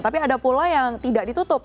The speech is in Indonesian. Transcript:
tapi ada pula yang tidak ditutup